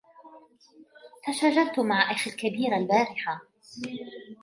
تشاجرت مع أخي الكبير البارحة.